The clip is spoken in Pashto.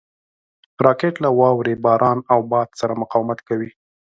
راکټ له واورې، باران او باد سره مقاومت کوي